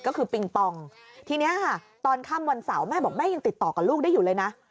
ก็คือปิงปองทีนี้ค่ะตอนค่ำวันเสาร์แม่บอกแม่ยังติดต่อกับลูกได้อยู่เลยนะ